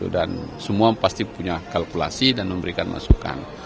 dan semua pasti punya kalkulasi dan memberikan masukan